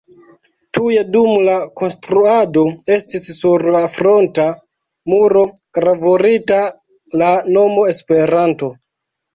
Tuj dum la konstruado estis sur la fronta muro gravurita la nomo Esperanto.